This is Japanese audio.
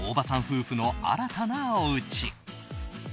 夫婦の新たなおうち。